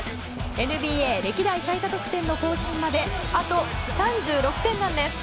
ＮＢＡ歴代最多得点の更新まであと３６点なんです。